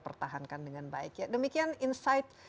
pertahankan dengan baik ya demikian insight